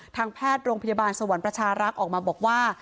ทางแพทย์โรงพยาบาลสวรรค์ประชารักษ์ออกมาบอกว่า